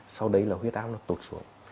sau đấy là huyết áp nó tụt xuống